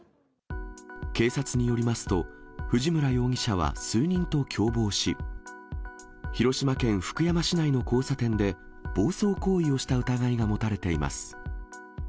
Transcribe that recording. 警察によりますと、藤村容疑者は数人と共謀し、広島県福山市内の交差点で、暴走行為をした疑いが持たれています。